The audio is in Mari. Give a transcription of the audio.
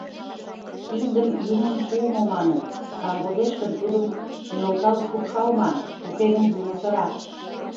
Киндым «юмын пуымо» маныт, камвозеш гын — тудым нӧлтал шупшалман, уке гын юмо сыра.